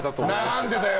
何でだよ！